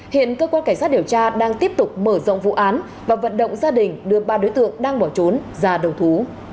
hiện cơ quan cảnh sát điều tra đang tiếp tục mở rộng vụ án và vận động gia đình đưa ba đối tượng đang bỏ trốn ra đầu thú